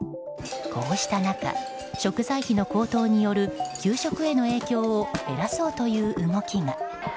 こうした中、食材費の高騰による給食への影響を減らそうという動きが。